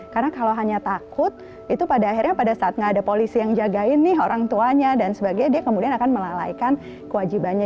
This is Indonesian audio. karena kalau hanya takut itu pada akhirnya pada saat nggak ada polisi yang jagain nih orang tuanya dan sebagainya dia kemudian akan melalaikan kewajibannya